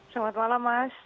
selamat malam mas